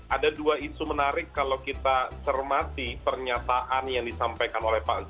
ada dua isu menarik kalau kita cermati pernyataan yang disampaikan